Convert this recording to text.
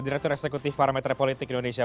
direktur eksekutif parameter politik indonesia